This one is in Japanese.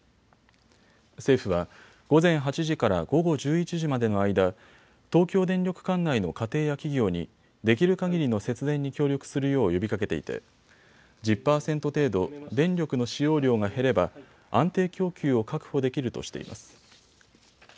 政府は午前８時から午後１１時までの間、東京電力管内の家庭や企業にできるかぎりの節電に協力するよう呼びかけていて１０％程度、電力の使用量が減れば安定供給を確保できるとしています。